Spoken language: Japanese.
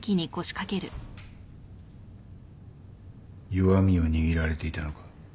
弱みを握られていたのか？